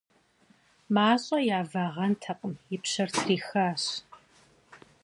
МащӀэ явагъэнтэкъым - и пщэр трихащ.